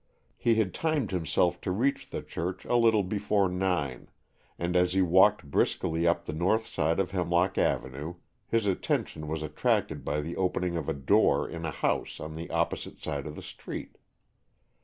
He had timed himself to reach the church a little before nine, and as he walked briskly up the north side of Hemlock Avenue, his attention was attracted by the opening of a door in a house on the opposite side of the street.